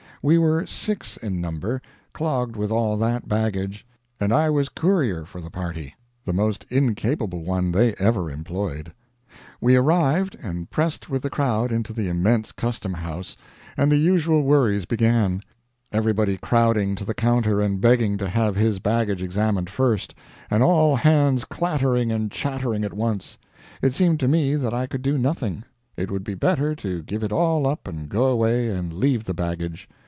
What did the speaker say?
We were six in number, clogged with all that baggage, and I was courier for the party the most incapable one they ever employed. We arrived, and pressed with the crowd into the immense custom house, and the usual worries began; everybody crowding to the counter and begging to have his baggage examined first, and all hands clattering and chattering at once. It seemed to me that I could do nothing; it would be better to give it all up and go away and leave the baggage.